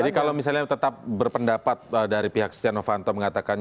jadi kalau misalnya tetap berpendapat dari pihak stian novanto mengatakan